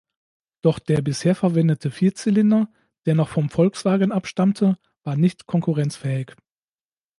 Doch der bisher verwendete Vierzylinder, der noch vom Volkswagen abstammte, war nicht konkurrenzfähig.